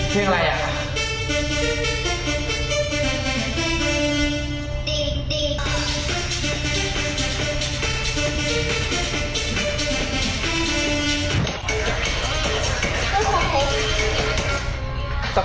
เพลงอะไรอ่ะ